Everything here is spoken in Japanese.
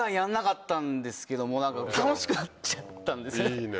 いいね。